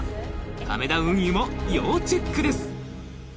亀田運輸も要チェックです